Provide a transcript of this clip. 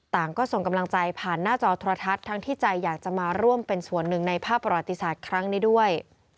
ก็ส่งกำลังใจผ่านหน้าจอโทรทัศน์ทั้งที่ใจอยากจะมาร่วมเป็นส่วนหนึ่งในภาพประวัติศาสตร์ครั้งนี้ด้วย